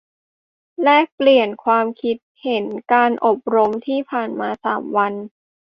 แลกเปลี่ยน ความคิดเห็นการอบรมที่ผ่านมาสามวัน